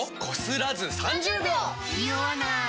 ニオわない！